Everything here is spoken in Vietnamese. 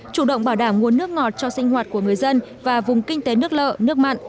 chủ động bảo đảm nguồn nước ngọt cho sinh hoạt của người dân và vùng kinh tế nước lợ nước mặn